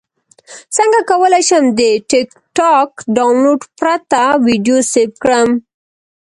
څنګه کولی شم د ټکټاک ډاونلوډ پرته ویډیو سیف کړم